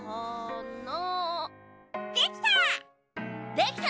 できた！